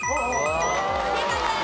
正解です！